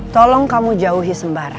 tolong kamu jauhi sembara